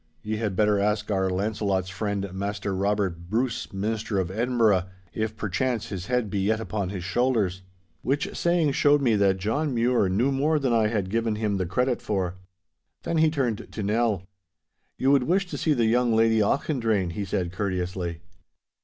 Ye had better ask our Launcelot's friend, Maister Robert Bruce, Minister of Edinburgh, if perchance his head be yet upon his shoulders.' Which saying showed me that John Mure knew more than I had given him the credit for. Then he turned to Nell. 'You would wish to see the young Lady Auchendrayne?' he said courteously.